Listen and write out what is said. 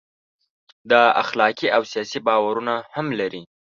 دا اخلاقي او سیاسي باورونه هم لري.